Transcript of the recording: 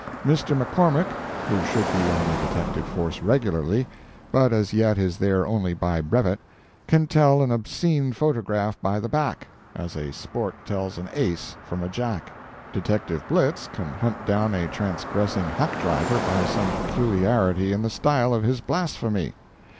Mr. McCormick, who should be on the detective force regularly, but as yet is there only by brevet, can tell an obscene photograph by the back, as a sport tells an ace from a jack. Detective Blitz can hunt down a transgressing hack driver by some peculiarity in the style of his blasphemy.